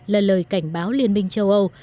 là lời cảnh báo liên minh châu âu